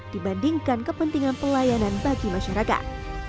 dibandingkan kepentingan pelayanan bagi masyarakat